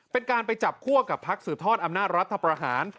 เป็นการไปจับคั่วกับพักสืบทอดอำนาจรัฐประหาร